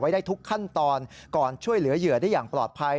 ได้ทุกขั้นตอนก่อนช่วยเหลือเหยื่อได้อย่างปลอดภัย